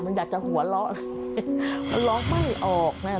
มันอยากจะหัวเราะมันร้องไม่ออกนะ